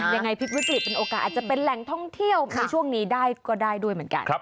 ยังไงพลิกวิกฤตเป็นโอกาสอาจจะเป็นแหล่งท่องเที่ยวในช่วงนี้ได้ก็ได้ด้วยเหมือนกัน